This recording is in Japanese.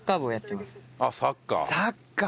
あっサッカー。